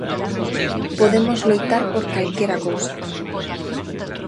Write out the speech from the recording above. Podemos loitar por calquera cousa.